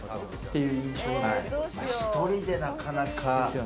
１人でなかなか。